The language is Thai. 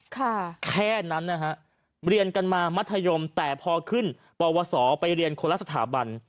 แค่นั้นนะฮะเรียนกันมามัธยมแต่พอขึ้นปวสอไปเรียนคนละสถาบัน